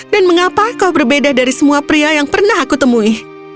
dan mengapa kau berbeda dari semua pria yang pernah aku temui